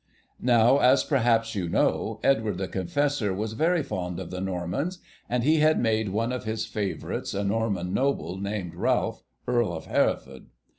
Now, as perhaps you know, Edward the Confessor was very fond of the Normans, and he had made one of his favourites, a Norman noble named Ralph, Earl of Hereford.